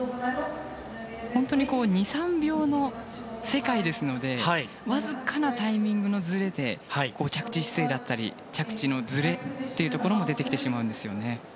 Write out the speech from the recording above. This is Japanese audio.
本当に２３秒の世界ですのでわずかなタイミングのずれで着地姿勢だったり着地のずれというところも出てきてしまうんですよね。